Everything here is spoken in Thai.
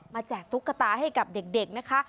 แจกตุ๊กตาให้กับเด็กนะคะ